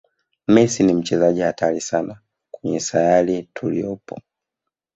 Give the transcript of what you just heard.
messi ni mchezaji hatari sana kwenye sayari tuliyopo